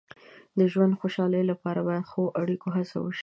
د ژوند د خوشحالۍ لپاره باید د ښو اړیکو هڅه وشي.